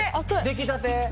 出来たて。